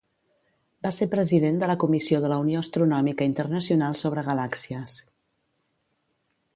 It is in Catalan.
Va ser president de la Comissió de la Unió Astronòmica Internacional sobre Galàxies.